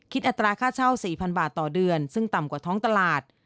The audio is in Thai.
อัตราค่าเช่า๔๐๐บาทต่อเดือนซึ่งต่ำกว่าท้องตลาด